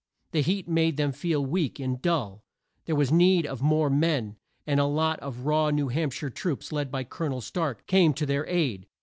The heat made them feel weak and dull. There was need of more men, and a lot of raw New Hamp shire troops, led by Col o nel Stark came to their aid.